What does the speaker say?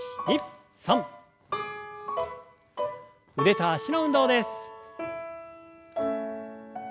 腕と脚の運動です。